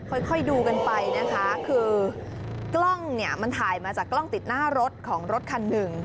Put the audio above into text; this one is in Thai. ค่อยดูกันไปนะคะคือกล้องเนี่ยมันถ่ายมาจากกล้องติดหน้ารถของรถคันหนึ่ง